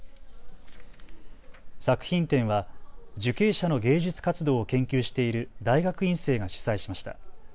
作品展は受刑者の芸術活動を研究している大学院生が主催しました。